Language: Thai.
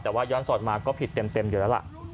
แต่ว่าย้อนสอนมาก็ผิดเต็มอยู่แล้วล่ะ